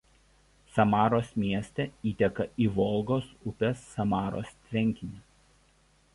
Samaros mieste įteka į Volgos upės Samaros tvenkinį.